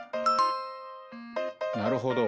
なるほど。